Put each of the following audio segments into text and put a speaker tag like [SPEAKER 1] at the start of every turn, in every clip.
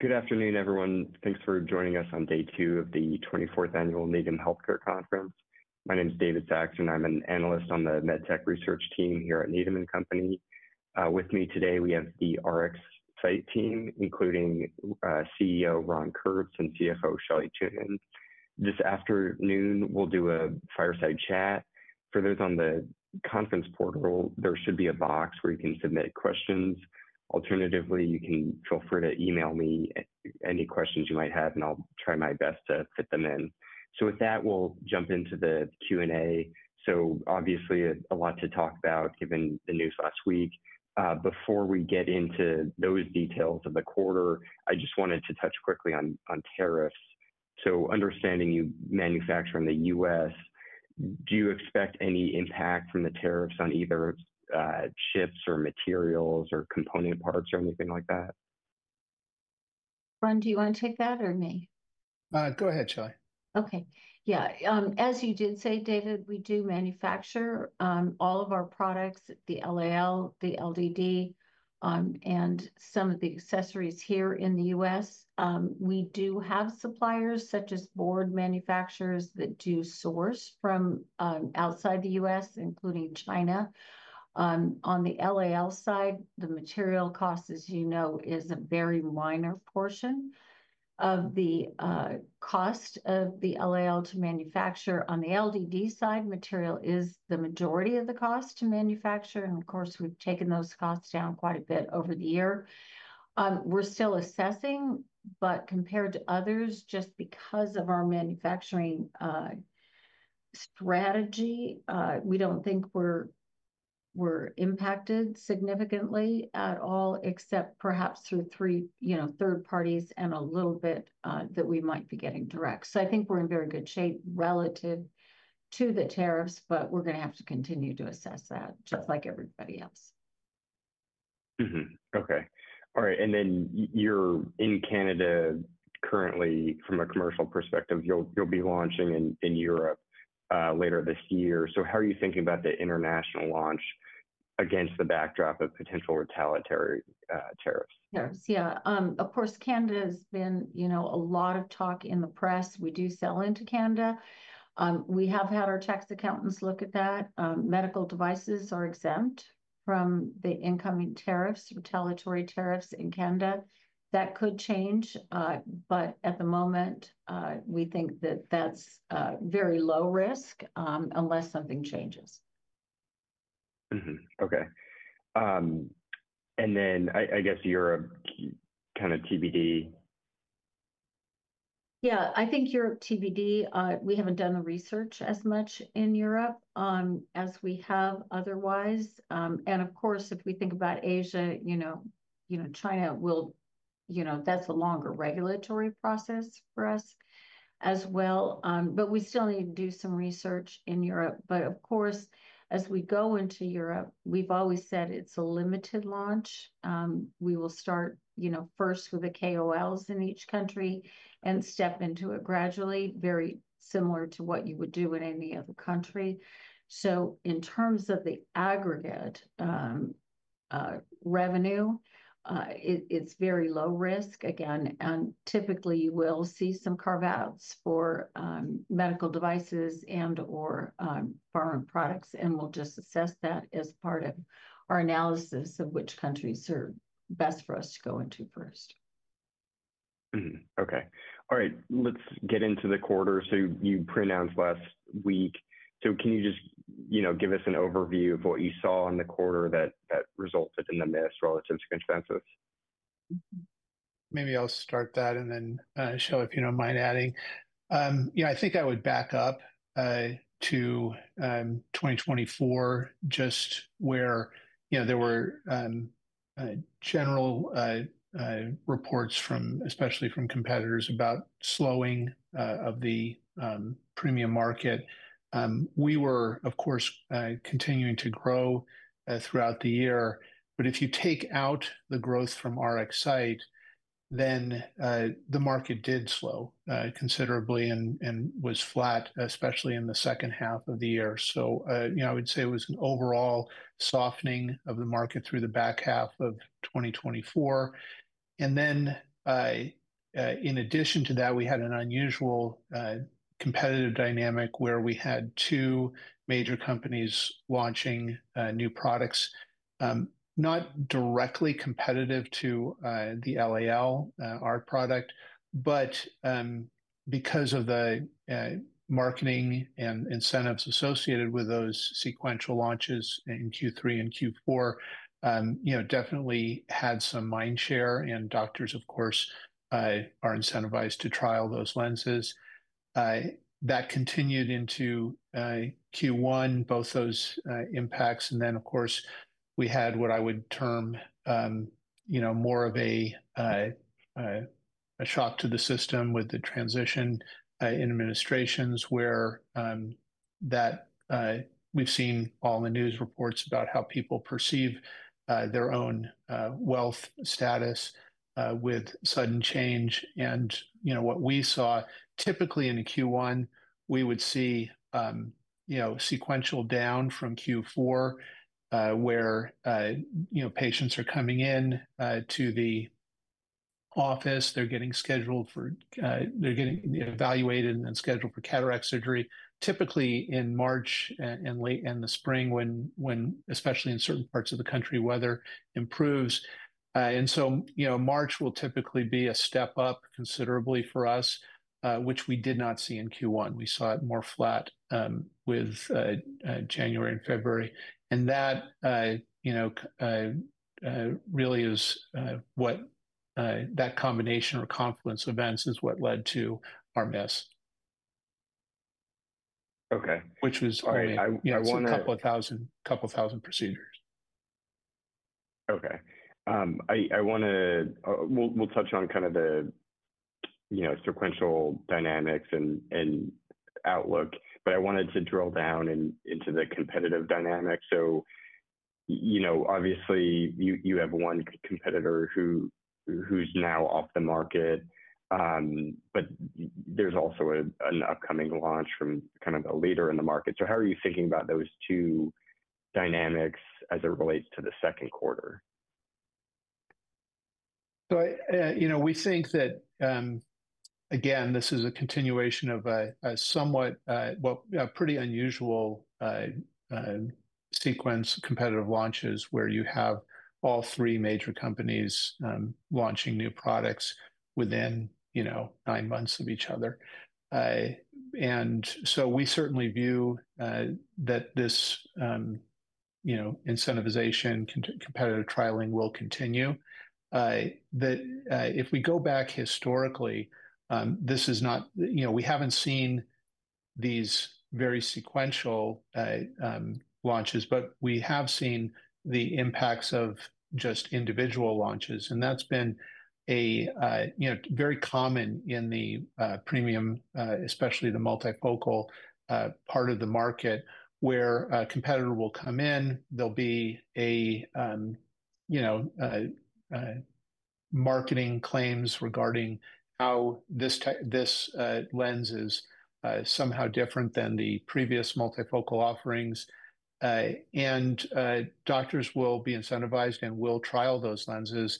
[SPEAKER 1] Good afternoon, everyone. Thanks for joining us on day 2 of the 24th Annual Needham Healthcare Conference. My name is David Saxon. I'm an analyst on the MedTech research team here at Needham & Company. With me today, we have the RxSight team, including CEO Ron Kurtz and CFO Shelley Thunen. This afternoon, we'll do a fireside chat. For those on the conference portal, there should be a box where you can submit questions. Alternatively, you can feel free to email me any questions you might have, and I'll try my best to fit them in. With that, we'll jump into the Q&A. Obviously, a lot to talk about given the news last week. Before we get into those details of the quarter, I just wanted to touch quickly on tariffs. Understanding you manufacture in the U.S., do you expect any impact from the tariffs on either ships or materials or component parts or anything like that?
[SPEAKER 2] Ron, do you want to take that or me?
[SPEAKER 3] Go ahead, Shelley.
[SPEAKER 2] Okay. Yeah. As you did say, David, we do manufacture all of our products, the LAL, the LDD, and some of the accessories here in the U.S. We do have suppliers such as board manufacturers that do source from outside the U.S., including China. On the LAL side, the material cost, as you know, is a very minor portion of the cost of the LAL to manufacture. On the LDD side, material is the majority of the cost to manufacture. Of course, we've taken those costs down quite a bit over the year. We're still assessing, but compared to others, just because of our manufacturing strategy, we don't think we're impacted significantly at all, except perhaps through third parties and a little bit that we might be getting direct. I think we're in very good shape relative to the tariffs, but we're going to have to continue to assess that, just like everybody else.
[SPEAKER 1] Okay. All right. You are in Canada currently from a commercial perspective. You will be launching in Europe later this year. How are you thinking about the international launch against the backdrop of potential retaliatory tariffs?
[SPEAKER 2] Tariffs, yeah. Of course, Canada has been a lot of talk in the press. We do sell into Canada. We have had our tax accountants look at that. Medical devices are exempt from the incoming tariffs, retaliatory tariffs in Canada. That could change. At the moment, we think that that's very low risk unless something changes.
[SPEAKER 1] Okay. I guess you're a kind of TBD?
[SPEAKER 2] Yeah, I think you're TBD. We haven't done the research as much in Europe as we have otherwise. Of course, if we think about Asia, you know, China will, you know, that's a longer regulatory process for us as well. We still need to do some research in Europe. Of course, as we go into Europe, we've always said it's a limited launch. We will start first with the KOLs in each country and step into it gradually, very similar to what you would do in any other country. In terms of the aggregate revenue, it's very low risk. Again, typically, you will see some carve-outs for medical devices and/or foreign products. We'll just assess that as part of our analysis of which countries are best for us to go into first.
[SPEAKER 1] Okay. All right. Let's get into the quarter. You pronounced last week. Can you just give us an overview of what you saw in the quarter that resulted in the miss relative to consensus?
[SPEAKER 3] Maybe I'll start that and then Shelley, if you don't mind, adding. I think I would back up to 2024, just where there were general reports, especially from competitors, about slowing of the premium market. We were, of course, continuing to grow throughout the year. If you take out the growth from RxSight, then the market did slow considerably and was flat, especially in the second half of the year. I would say it was an overall softening of the market through the back half of 2024. In addition to that, we had an unusual competitive dynamic where we had two major companies launching new products, not directly competitive to the LAL, our product, but because of the marketing and incentives associated with those sequential launches in Q3 and Q4, definitely had some mind share. Doctors, of course, are incentivized to trial those lenses. That continued into Q1, both those impacts. Of course, we had what I would term more of a shock to the system with the transition in administrations where we've seen all the news reports about how people perceive their own wealth status with sudden change. What we saw, typically in Q1, we would see sequential down from Q4 where patients are coming into the office. They're getting scheduled for, they're getting evaluated and then scheduled for cataract surgery, typically in March and the spring when, especially in certain parts of the country, weather improves. March will typically be a step up considerably for us, which we did not see in Q1. We saw it more flat with January and February. That really is what that combination or confluence of events is what led to our miss.
[SPEAKER 1] Okay.
[SPEAKER 3] Which was.
[SPEAKER 1] All right. I want to.
[SPEAKER 3] Just a couple of thousand procedures.
[SPEAKER 1] Okay. I want to we'll touch on kind of the sequential dynamics and outlook, but I wanted to drill down into the competitive dynamic. Obviously, you have one competitor who's now off the market, but there's also an upcoming launch from kind of a leader in the market. How are you thinking about those two dynamics as it relates to the second quarter?
[SPEAKER 3] We think that, again, this is a continuation of a somewhat pretty unusual sequence of competitive launches where you have all three major companies launching new products within nine months of each other. We certainly view that this incentivization, competitive trialing will continue. If we go back historically, we have not seen these very sequential launches, but we have seen the impacts of just individual launches. That has been very common in the premium, especially the multifocal part of the market, where a competitor will come in. There will be marketing claims regarding how this lens is somehow different than the previous multifocal offerings. Doctors will be incentivized and will trial those lenses.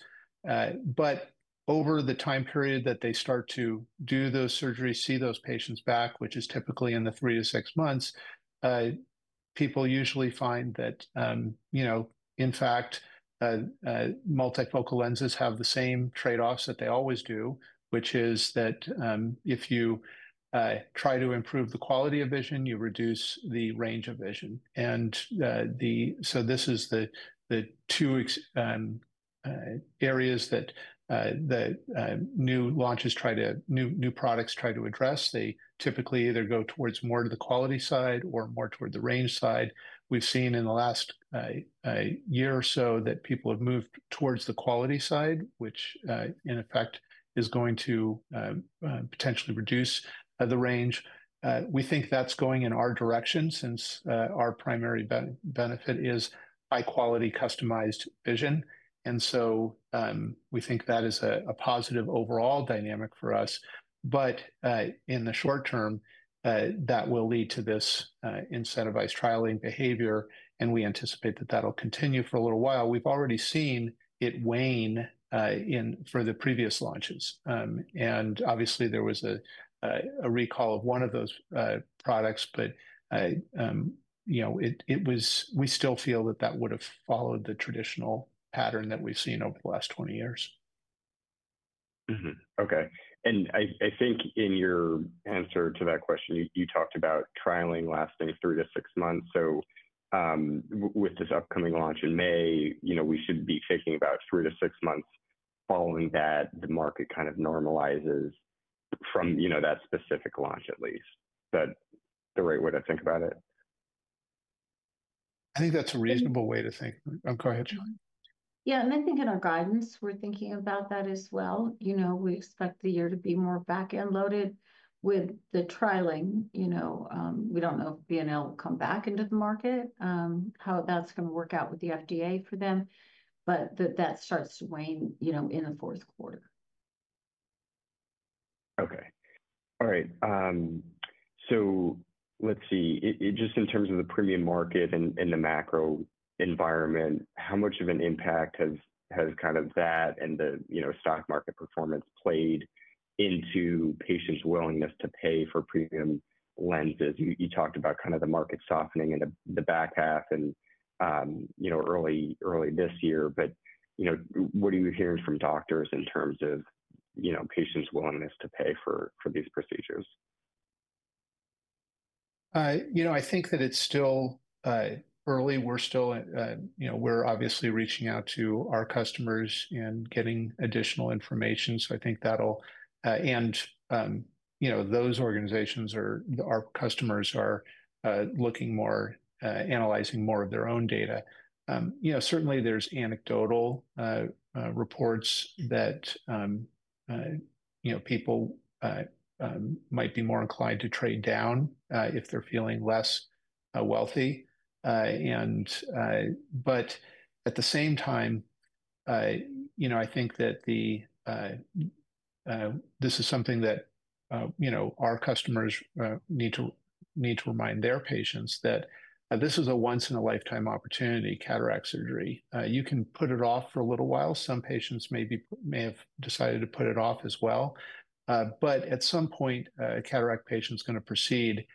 [SPEAKER 3] Over the time period that they start to do those surgeries, see those patients back, which is typically in the three to six months, people usually find that, in fact, multifocal lenses have the same trade-offs that they always do, which is that if you try to improve the quality of vision, you reduce the range of vision. This is the two areas that new launches, new products, try to address. They typically either go more toward the quality side or more toward the range side. We've seen in the last year or so that people have moved toward the quality side, which, in effect, is going to potentially reduce the range. We think that's going in our direction since our primary benefit is high-quality customized vision. We think that is a positive overall dynamic for us. In the short term, that will lead to this incentivized trialing behavior. We anticipate that that'll continue for a little while. We've already seen it wane for the previous launches. Obviously, there was a recall of one of those products, but we still feel that that would have followed the traditional pattern that we've seen over the last 20 years.
[SPEAKER 1] Okay. I think in your answer to that question, you talked about trialing lasting three to six months. With this upcoming launch in May, we should be thinking about three to six months following that, the market kind of normalizes from that specific launch at least. Is that the right way to think about it?
[SPEAKER 3] I think that's a reasonable way to think. Go ahead, Shelley.
[SPEAKER 2] Yeah. I think in our guidance, we're thinking about that as well. We expect the year to be more back-end loaded with the trialing. We don't know if Bausch + Lomb will come back into the market, how that's going to work out with the FDA for them, but that starts to wane in the fourth quarter.
[SPEAKER 1] Okay. All right. Let's see. Just in terms of the premium market and the macro environment, how much of an impact has kind of that and the stock market performance played into patients' willingness to pay for premium lenses? You talked about kind of the market softening in the back half and early this year. What are you hearing from doctors in terms of patients' willingness to pay for these procedures?
[SPEAKER 3] I think that it's still early. We're obviously reaching out to our customers and getting additional information. I think that'll, and those organizations or our customers are looking more, analyzing more of their own data. Certainly, there's anecdotal reports that people might be more inclined to trade down if they're feeling less wealthy. At the same time, I think that this is something that our customers need to remind their patients that this is a once-in-a-lifetime opportunity, cataract surgery. You can put it off for a little while. Some patients may have decided to put it off as well. At some point, a cataract patient's going to proceed.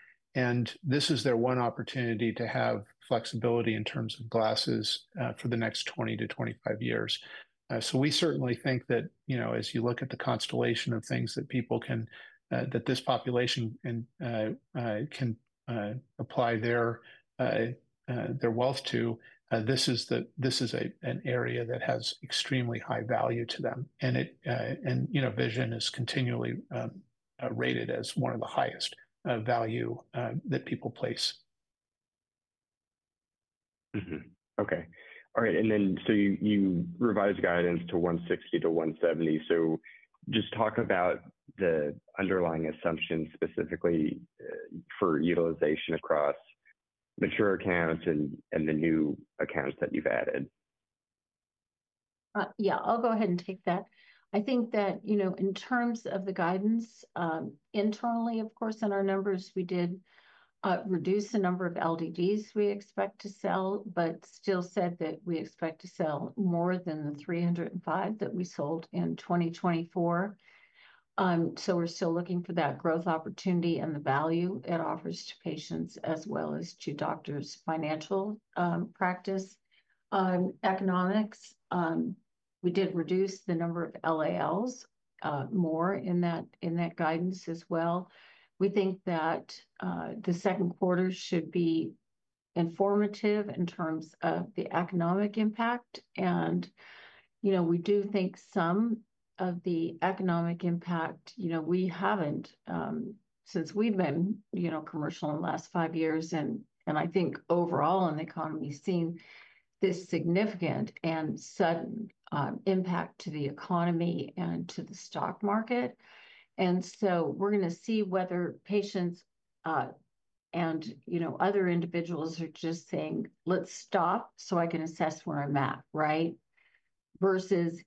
[SPEAKER 3] This is their one opportunity to have flexibility in terms of glasses for the next 20-25 years. We certainly think that as you look at the constellation of things that this population can apply their wealth to, this is an area that has extremely high value to them. Vision is continually rated as one of the highest value that people place.
[SPEAKER 1] Okay. All right. You revised guidance to $160 million-$170 million. Just talk about the underlying assumptions specifically for utilization across mature accounts and the new accounts that you've added.
[SPEAKER 2] Yeah, I'll go ahead and take that. I think that in terms of the guidance, internally, of course, in our numbers, we did reduce the number of LDDs we expect to sell, but still said that we expect to sell more than the 305 that we sold in 2024. We're still looking for that growth opportunity and the value it offers to patients as well as to doctors, financial practice, economics. We did reduce the number of LALs more in that guidance as well. We think that the second quarter should be informative in terms of the economic impact. We do think some of the economic impact we haven't since we've been commercial in the last five years. I think overall in the economy, we've seen this significant and sudden impact to the economy and to the stock market. We're going to see whether patients and other individuals are just saying, "Let's stop so I can assess where I'm at," right? Versus,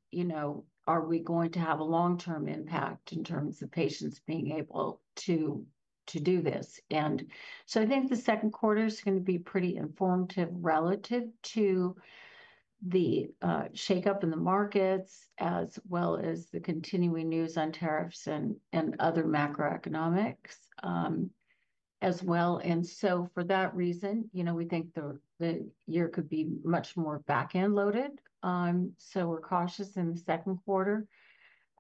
[SPEAKER 2] "Are we going to have a long-term impact in terms of patients being able to do this?" I think the second quarter is going to be pretty informative relative to the shake-up in the markets as well as the continuing news on tariffs and other macroeconomics as well. For that reason, we think the year could be much more back-end loaded. We're cautious in the second quarter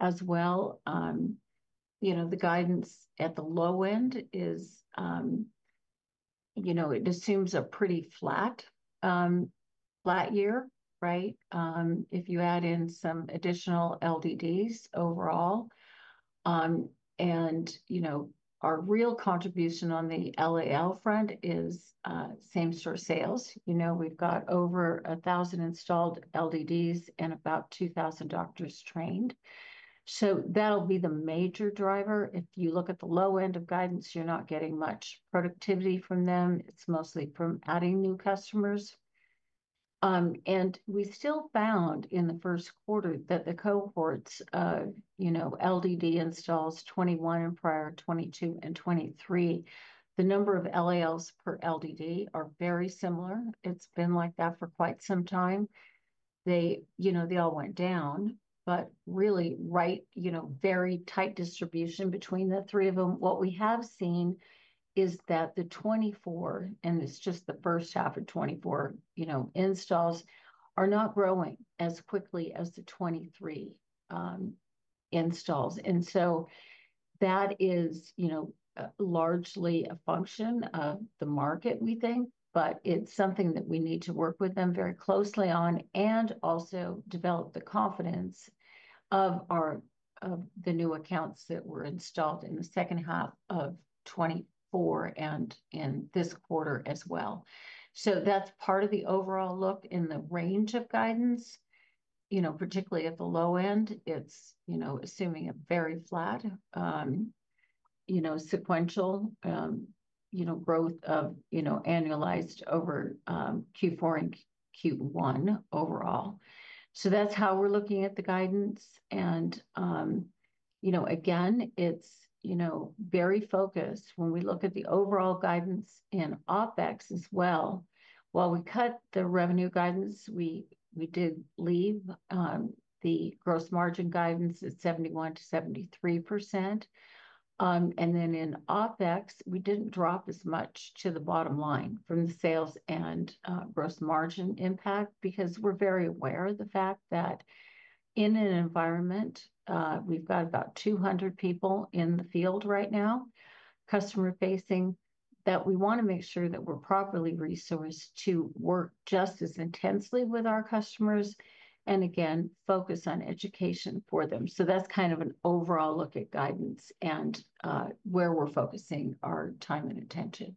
[SPEAKER 2] as well. The guidance at the low end assumes a pretty flat year, right? If you add in some additional LDDs overall. Our real contribution on the LAL front is same-store sales. We've got over 1,000 installed LDDs and about 2,000 doctors trained. That'll be the major driver. If you look at the low end of guidance, you're not getting much productivity from them. It's mostly from adding new customers. We still found in the first quarter that the cohorts of LDD installs, 2021 and prior, 2022 and 2023, the number of LALs per LDD are very similar. It's been like that for quite some time. They all went down, but really very tight distribution between the three of them. What we have seen is that the 2024, and it's just the first half of 2024 installs, are not growing as quickly as the 2023 installs. That is largely a function of the market, we think, but it's something that we need to work with them very closely on and also develop the confidence of the new accounts that were installed in the second half of 2024 and in this quarter as well. That is part of the overall look in the range of guidance, particularly at the low end. It is assuming a very flat sequential growth annualized over Q4 and Q1 overall. That is how we are looking at the guidance. Again, it is very focused when we look at the overall guidance in OpEx as well. While we cut the revenue guidance, we did leave the gross margin guidance at 71%-73%. In OpEx, we did not drop as much to the bottom line from the sales and gross margin impact because we are very aware of the fact that in an environment, we have about 200 people in the field right now, customer-facing, that we want to make sure that we are properly resourced to work just as intensely with our customers and, again, focus on education for them. That's kind of an overall look at guidance and where we're focusing our time and attention.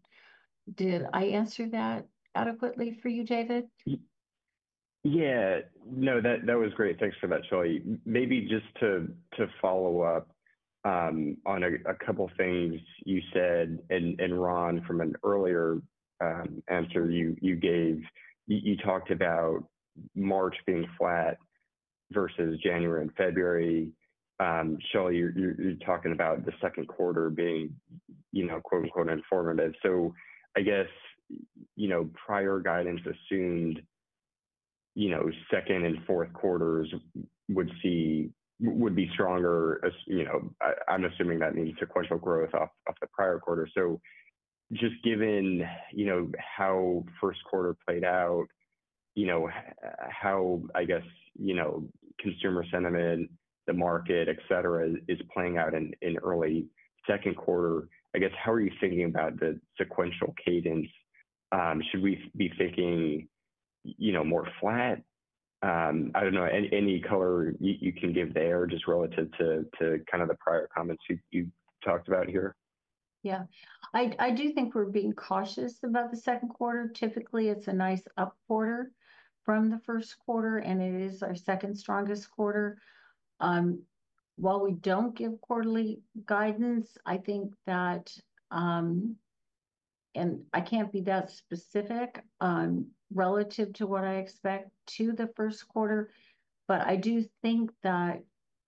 [SPEAKER 2] Did I answer that adequately for you, David?
[SPEAKER 1] Yeah. No, that was great. Thanks for that, Shelley. Maybe just to follow up on a couple of things you said and Ron from an earlier answer you gave. You talked about March being flat versus January and February. Shelley, you're talking about the second quarter being "informative." I guess prior guidance assumed second and fourth quarters would be stronger. I'm assuming that means sequential growth off the prior quarter. Just given how first quarter played out, how, I guess, consumer sentiment, the market, etc., is playing out in early second quarter, I guess, how are you thinking about the sequential cadence? Should we be thinking more flat? I don't know. Any color you can give there just relative to kind of the prior comments you talked about here?
[SPEAKER 2] Yeah. I do think we're being cautious about the second quarter. Typically, it's a nice up quarter from the first quarter, and it is our second strongest quarter. While we don't give quarterly guidance, I think that, and I can't be that specific relative to what I expect to the first quarter, I do think that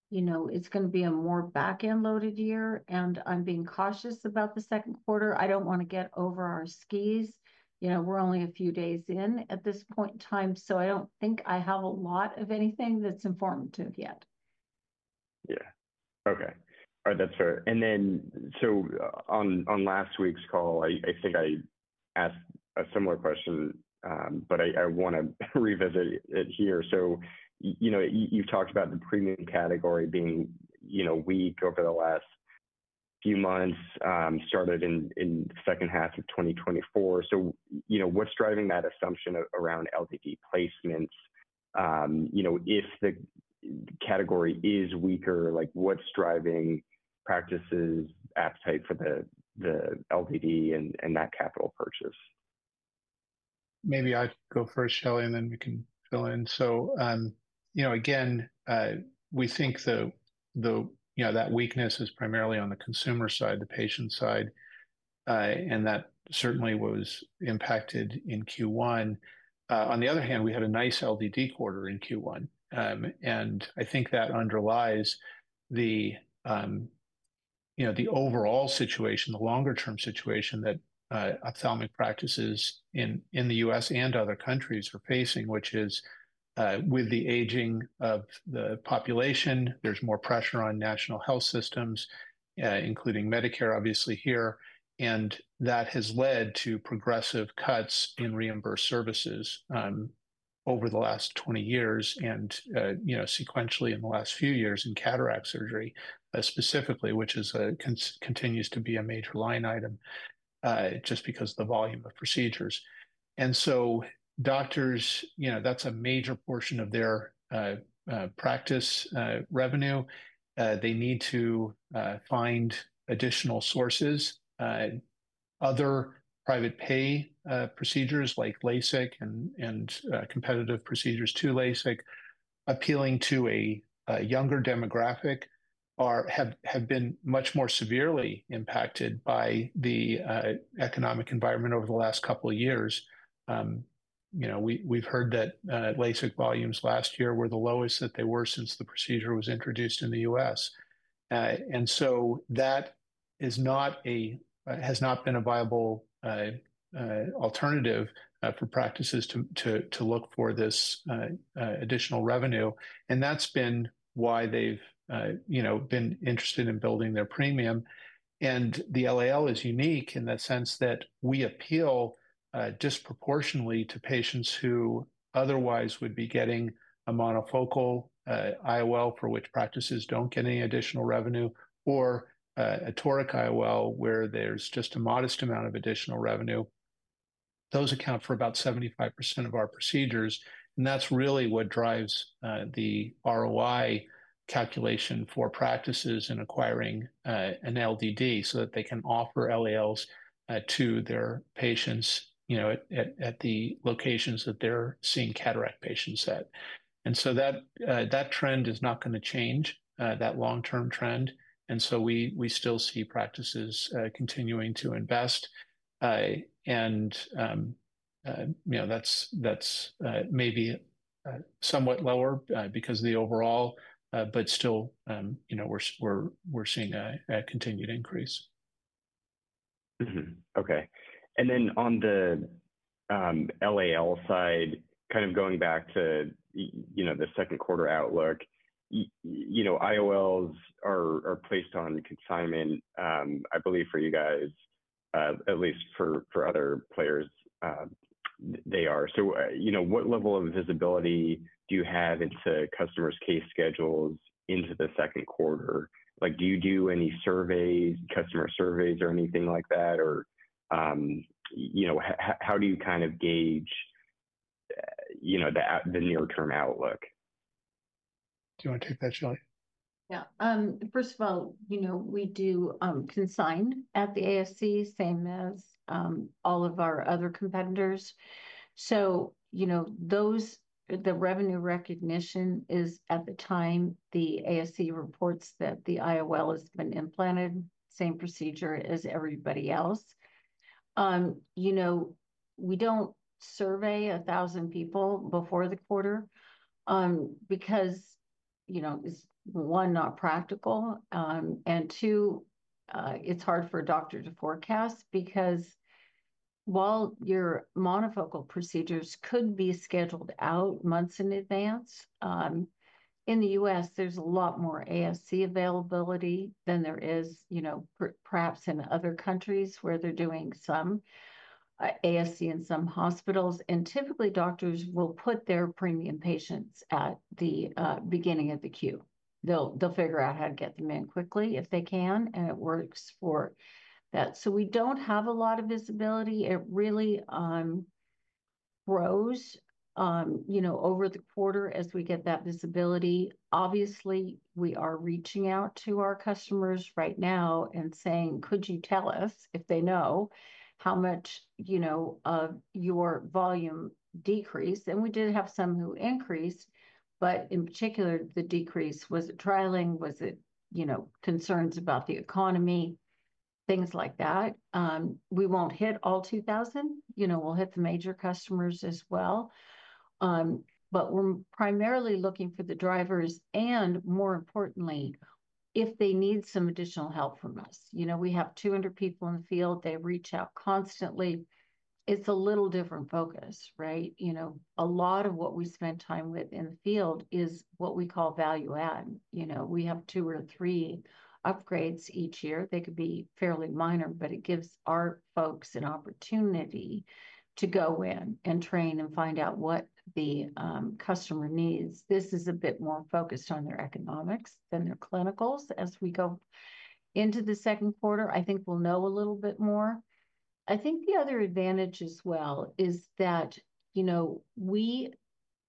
[SPEAKER 2] it's going to be a more back-end loaded year. I am being cautious about the second quarter. I don't want to get over our skis. We're only a few days in at this point in time. I don't think I have a lot of anything that's informative yet.
[SPEAKER 1] Yeah. Okay. All right. That's fair. On last week's call, I think I asked a similar question, but I want to revisit it here. You have talked about the premium category being weak over the last few months, started in the second half of 2024. What is driving that assumption around LDD placements? If the category is weaker, what is driving practices' appetite for the LDD and that capital purchase?
[SPEAKER 3] Maybe I'll go first, Shelley, and then we can fill in. Again, we think that weakness is primarily on the consumer side, the patient side, and that certainly was impacted in Q1. On the other hand, we had a nice LDD quarter in Q1. I think that underlies the overall situation, the longer-term situation that ophthalmic practices in the U.S. and other countries are facing, which is with the aging of the population, there's more pressure on national health systems, including Medicare, obviously here. That has led to progressive cuts in reimbursed services over the last 20 years and sequentially in the last few years in cataract surgery specifically, which continues to be a major line item just because of the volume of procedures. Doctors, that's a major portion of their practice revenue. They need to find additional sources. Other private pay procedures like LASIK and competitive procedures to LASIK, appealing to a younger demographic, have been much more severely impacted by the economic environment over the last couple of years. We've heard that LASIK volumes last year were the lowest that they were since the procedure was introduced in the U.S. That has not been a viable alternative for practices to look for this additional revenue. That's been why they've been interested in building their premium. The LAL is unique in the sense that we appeal disproportionately to patients who otherwise would be getting a monofocal IOL for which practices don't get any additional revenue or a toric IOL where there's just a modest amount of additional revenue. Those account for about 75% of our procedures. That's really what drives the ROI calculation for practices in acquiring an LDD so that they can offer LALs to their patients at the locations that they're seeing cataract patients at. That trend is not going to change, that long-term trend. We still see practices continuing to invest. That's maybe somewhat lower because of the overall, but still we're seeing a continued increase.
[SPEAKER 1] Okay. On the LAL side, kind of going back to the second quarter outlook, IOLs are placed on consignment, I believe, for you guys, at least for other players they are. What level of visibility do you have into customers' case schedules into the second quarter? Do you do any surveys, customer surveys or anything like that? How do you kind of gauge the near-term outlook?
[SPEAKER 3] Do you want to take that, Shelley?
[SPEAKER 2] Yeah. First of all, we do consign at the ASC, same as all of our other competitors. So the revenue recognition is at the time the ASC reports that the IOL has been implanted, same procedure as everybody else. We do not survey 1,000 people before the quarter because, one, not practical. And two, it is hard for a doctor to forecast because while your monofocal procedures could be scheduled out months in advance, in the U.S., there is a lot more ASC availability than there is perhaps in other countries where they are doing some ASC in some hospitals. Typically, doctors will put their premium patients at the beginning of the queue. They will figure out how to get them in quickly if they can, and it works for that. We do not have a lot of visibility. It really grows over the quarter as we get that visibility. Obviously, we are reaching out to our customers right now and saying, "Could you tell us if they know how much of your volume decreased?" We did have some who increased, but in particular, the decrease was trialing, was it concerns about the economy, things like that. We will not hit all 2,000. We will hit the major customers as well. We are primarily looking for the drivers and, more importantly, if they need some additional help from us. We have 200 people in the field. They reach out constantly. It is a little different focus, right? A lot of what we spend time with in the field is what we call value-add. We have two or three upgrades each year. They could be fairly minor, but it gives our folks an opportunity to go in and train and find out what the customer needs. This is a bit more focused on their economics than their clinicals. As we go into the second quarter, I think we'll know a little bit more. I think the other advantage as well is that we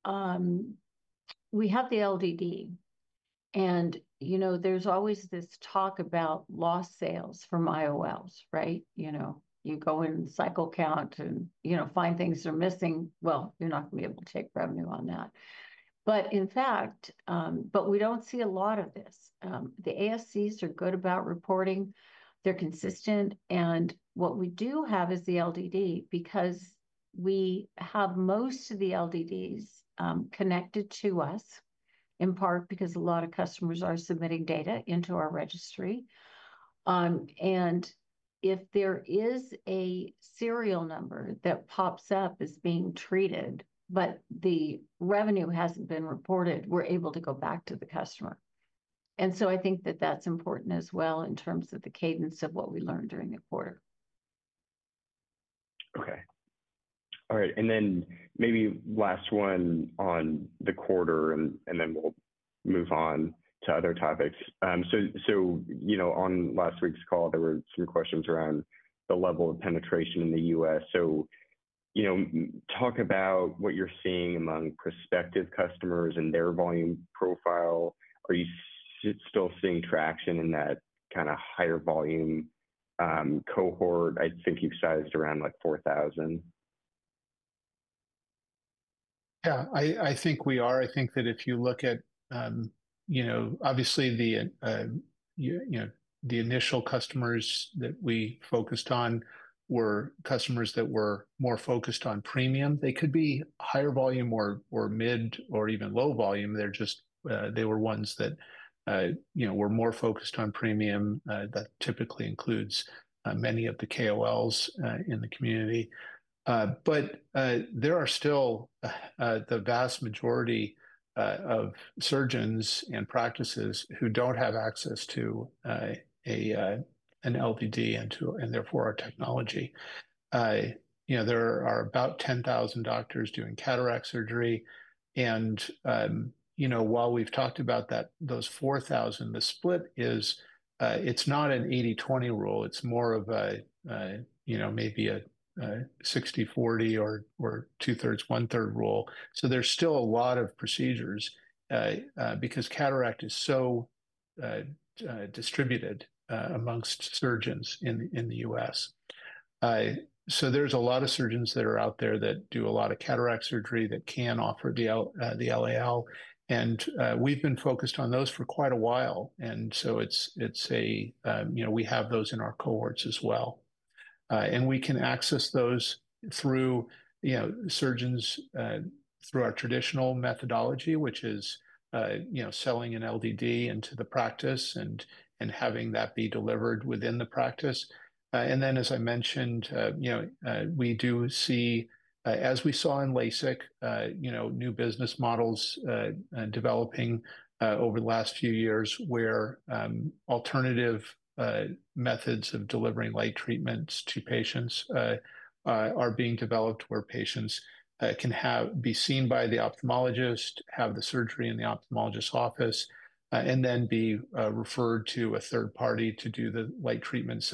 [SPEAKER 2] have the LDD, and there's always this talk about lost sales from IOLs, right? You go in, cycle count, and find things that are missing. You're not going to be able to take revenue on that. In fact, we don't see a lot of this. The ASCs are good about reporting. They're consistent. What we do have is the LDD because we have most of the LDDs connected to us, in part because a lot of customers are submitting data into our registry. If there is a serial number that pops up as being treated, but the revenue hasn't been reported, we're able to go back to the customer. I think that that's important as well in terms of the cadence of what we learned during the quarter.
[SPEAKER 1] Okay. All right. Maybe last one on the quarter, and then we'll move on to other topics. On last week's call, there were some questions around the level of penetration in the U.S. Talk about what you're seeing among prospective customers and their volume profile. Are you still seeing traction in that kind of higher volume cohort? I think you've sized around like 4,000.
[SPEAKER 3] Yeah. I think we are. I think that if you look at, obviously, the initial customers that we focused on were customers that were more focused on premium. They could be higher volume or mid or even low volume. They were ones that were more focused on premium. That typically includes many of the KOLs in the community. There are still the vast majority of surgeons and practices who do not have access to an LDD and therefore our technology. There are about 10,000 doctors doing cataract surgery. While we have talked about those 4,000, the split is it is not an 80/20 rule. It is more of maybe a 60/40 or two-thirds, one-third rule. There are still a lot of procedures because cataract is so distributed amongst surgeons in the U.S. There are a lot of surgeons that are out there that do a lot of cataract surgery that can offer the LAL. We have been focused on those for quite a while. We have those in our cohorts as well. We can access those through surgeons through our traditional methodology, which is selling an LDD into the practice and having that be delivered within the practice. As I mentioned, we do see, as we saw in LASIK, new business models developing over the last few years where alternative methods of delivering light treatments to patients are being developed where patients can be seen by the ophthalmologist, have the surgery in the ophthalmologist's office, and then be referred to a third party to do the light treatment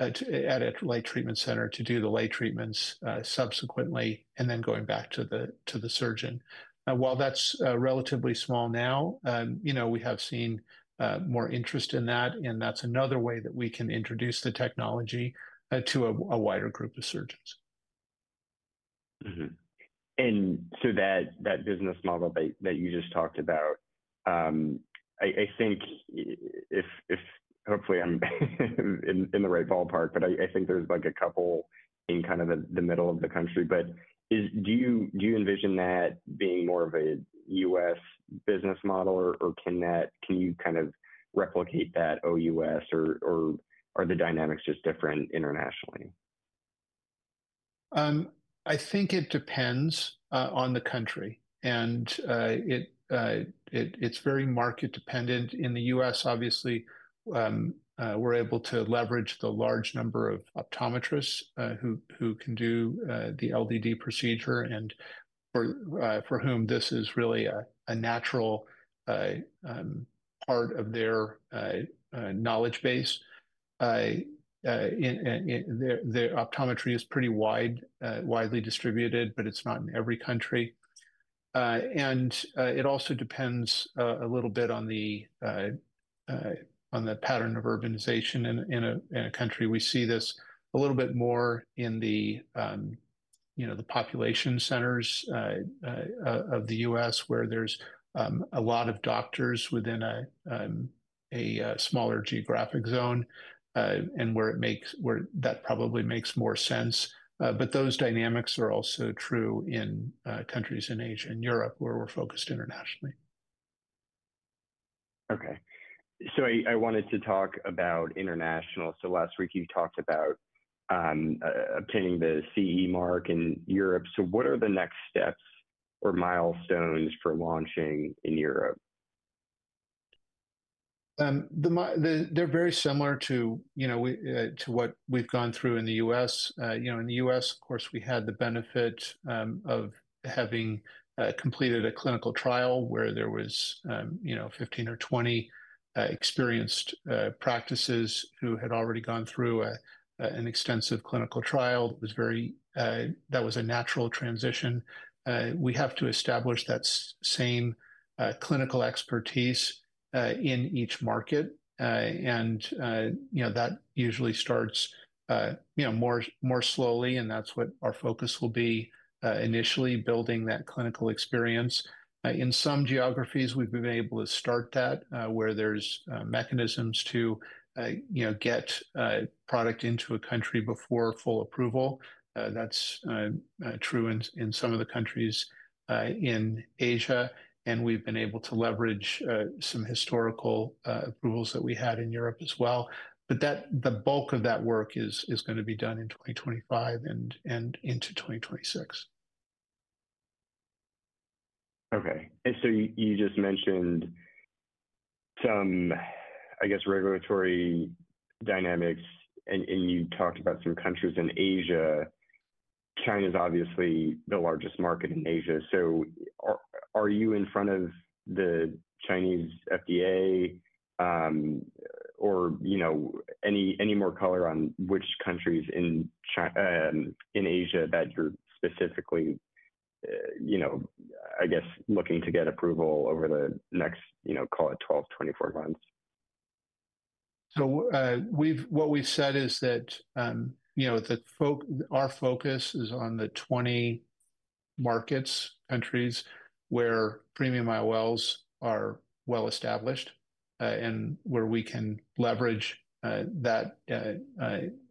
[SPEAKER 3] at a light treatment center to do the light treatments subsequently, and then going back to the surgeon. While that's relatively small now, we have seen more interest in that. That's another way that we can introduce the technology to a wider group of surgeons.
[SPEAKER 1] That business model that you just talked about, I think hopefully I'm in the right ballpark, but I think there's a couple in kind of the middle of the country. Do you envision that being more of a U.S. business model, or can you kind of replicate that OUS, or are the dynamics just different internationally?
[SPEAKER 3] I think it depends on the country. It is very market-dependent. In the U.S., obviously, we're able to leverage the large number of optometrists who can do the LDD procedure and for whom this is really a natural part of their knowledge base. The optometry is pretty widely distributed, but it's not in every country. It also depends a little bit on the pattern of urbanization in a country. We see this a little bit more in the population centers of the U.S. where there's a lot of doctors within a smaller geographic zone and where that probably makes more sense. Those dynamics are also true in countries in Asia and Europe where we're focused internationally.
[SPEAKER 1] Okay. I wanted to talk about international. Last week, you talked about obtaining the CE mark in Europe. What are the next steps or milestones for launching in Europe?
[SPEAKER 3] They're very similar to what we've gone through in the U.S. In the U.S., of course, we had the benefit of having completed a clinical trial where there were 15 or 20 experienced practices who had already gone through an extensive clinical trial. That was a natural transition. We have to establish that same clinical expertise in each market. That usually starts more slowly, and that's what our focus will be initially, building that clinical experience. In some geographies, we've been able to start that where there's mechanisms to get product into a country before full approval. That is true in some of the countries in Asia. We've been able to leverage some historical approvals that we had in Europe as well. The bulk of that work is going to be done in 2025 and into 2026.
[SPEAKER 1] Okay. You just mentioned some, I guess, regulatory dynamics, and you talked about some countries in Asia. China is obviously the largest market in Asia. Are you in front of the Chinese FDA or any more color on which countries in Asia that you're specifically, I guess, looking to get approval over the next, call it 12, 24 months?
[SPEAKER 3] What we've said is that our focus is on the 20 markets, countries where premium IOLs are well established and where we can leverage that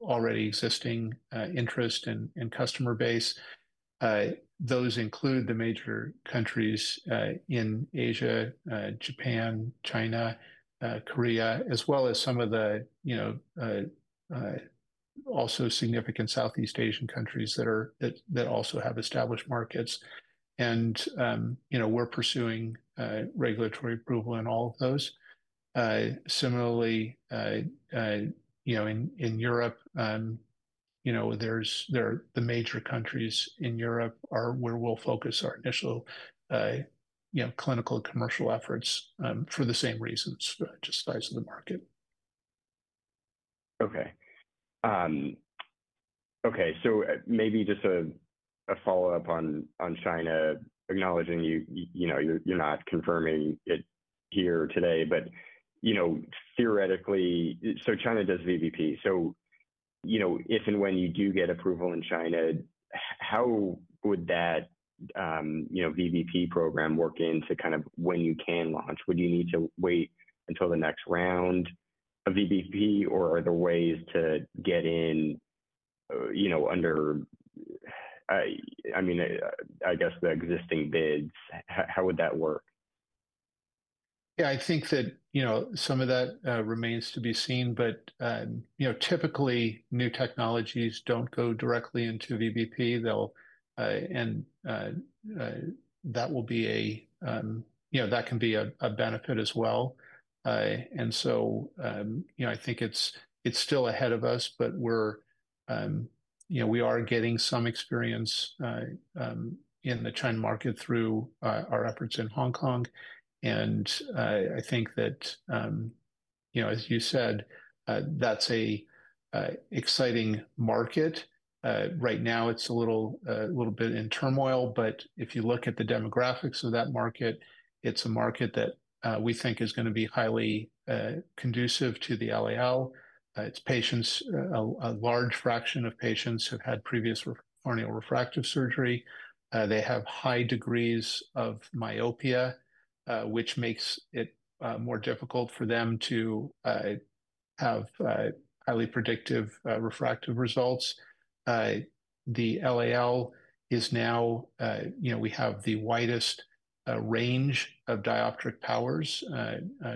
[SPEAKER 3] already existing interest and customer base. Those include the major countries in Asia, Japan, China, Korea, as well as some of the also significant Southeast Asian countries that also have established markets. We're pursuing regulatory approval in all of those. Similarly, in Europe, the major countries in Europe are where we'll focus our initial clinical and commercial efforts for the same reasons, just size of the market.
[SPEAKER 1] Okay. Okay. Maybe just a follow-up on China, acknowledging you're not confirming it here today, but theoretically, China does VBP. If and when you do get approval in China, how would that VBP program work into kind of when you can launch? Would you need to wait until the next round of VBP, or are there ways to get in under, I mean, I guess, the existing bids? How would that work?
[SPEAKER 3] Yeah. I think that some of that remains to be seen. Typically, new technologies don't go directly into VBP. That can be a benefit as well. I think it's still ahead of us, but we are getting some experience in the China market through our efforts in Hong Kong. I think that, as you said, that's an exciting market. Right now, it's a little bit in turmoil. If you look at the demographics of that market, it's a market that we think is going to be highly conducive to the LAL. It's patients, a large fraction of patients who've had previous corneal refractive surgery. They have high degrees of myopia, which makes it more difficult for them to have highly predictive refractive results. The LAL is now we have the widest range of dioptric powers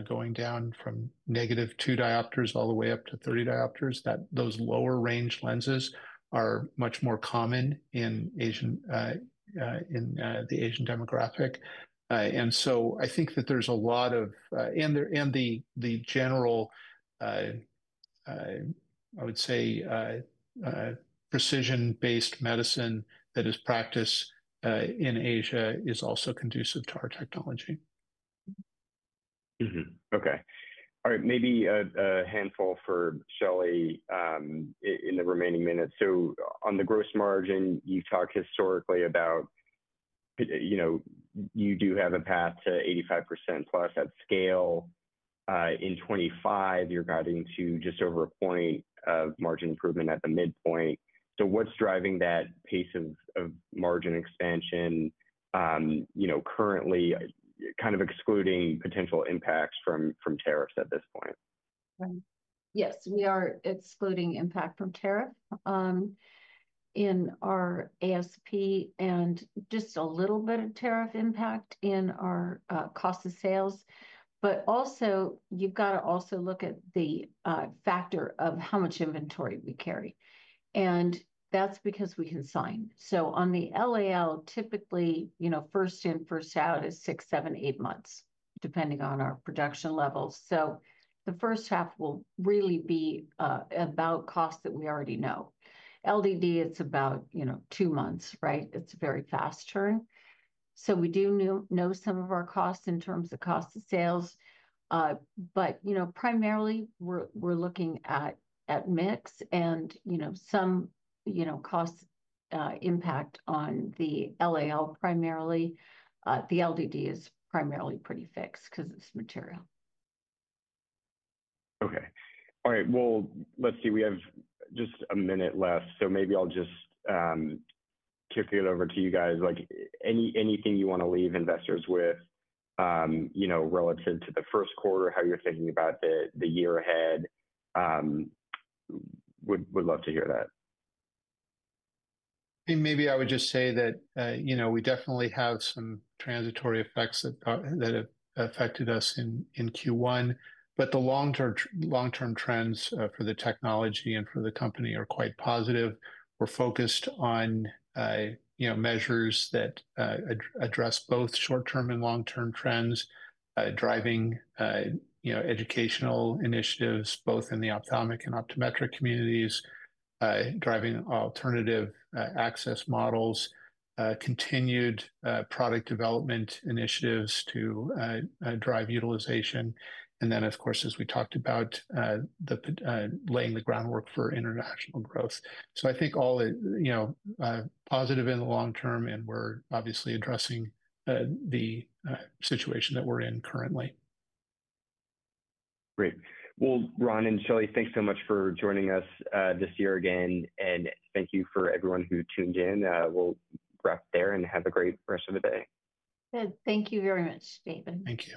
[SPEAKER 3] going down from negative 2 diopters all the way up to 30 diopters. Those lower-range lenses are much more common in the Asian demographic. I think that there's a lot of, and the general, I would say, precision-based medicine that is practiced in Asia is also conducive to our technology.
[SPEAKER 1] Okay. All right. Maybe a handful for Shelley in the remaining minutes. On the gross margin, you've talked historically about you do have a path to 85% plus at scale. In 2025, you're guiding to just over a point of margin improvement at the midpoint. What's driving that pace of margin expansion currently, kind of excluding potential impacts from tariffs at this point?
[SPEAKER 2] Yes. We are excluding impact from tariff in our ASP and just a little bit of tariff impact in our cost of sales. Also, you have to look at the factor of how much inventory we carry. That is because we consign. On the LAL, typically, first in, first out is six, seven, eight months, depending on our production levels. The first half will really be about cost that we already know. LDD, it is about two months, right? It is a very fast turn. We do know some of our costs in terms of cost of sales. Primarily, we are looking at mix and some cost impact on the LAL primarily. The LDD is primarily pretty fixed because it is material.
[SPEAKER 1] Okay. All right. Let's see. We have just a minute left. Maybe I'll just kick it over to you guys. Anything you want to leave investors with relative to the first quarter, how you're thinking about the year ahead? Would love to hear that.
[SPEAKER 3] Maybe I would just say that we definitely have some transitory effects that have affected us in Q1. The long-term trends for the technology and for the company are quite positive. We're focused on measures that address both short-term and long-term trends, driving educational initiatives both in the ophthalmic and optometric communities, driving alternative access models, continued product development initiatives to drive utilization. Of course, as we talked about, laying the groundwork for international growth. I think all positive in the long term, and we're obviously addressing the situation that we're in currently.
[SPEAKER 1] Great. Ron and Shelley, thanks so much for joining us this year again. Thank you for everyone who tuned in. We will wrap there and have a great rest of the day.
[SPEAKER 2] Thank you very much, Stephen.
[SPEAKER 1] Thank you.